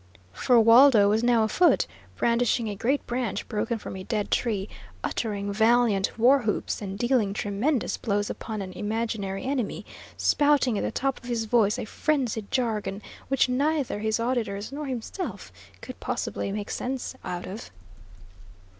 For Waldo was now afoot, brandishing a great branch broken from a dead tree, uttering valiant war whoops, and dealing tremendous blows upon an imaginary enemy, spouting at the top of his voice a frenzied jargon, which neither his auditors nor himself could possibly make sense out of.